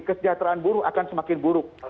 kesejahteraan buruh akan semakin buruk